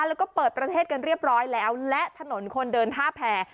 แล้วก็เปิดประเทศกันเรียบร้อยแล้วและถนนคนเดินท่าแผ่